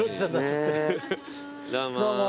どうも。